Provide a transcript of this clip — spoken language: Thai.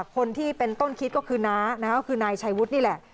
คนที่เป็นต้นคิดก็คือน้าก็คือนายชัยวุฒินี่แหละ